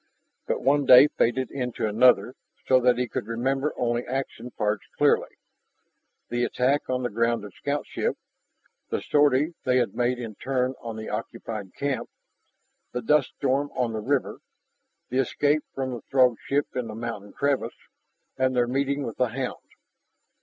But one day faded into another so that he could remember only action parts clearly the attack on the grounded scoutship, the sortie they had made in turn on the occupied camp, the dust storm on the river, the escape from the Throg ship in the mountain crevice, and their meeting with the hound.